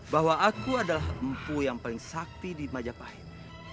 bahwa aku adalah empu yang paling sakti di majapahit